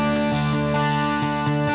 jangan lupa like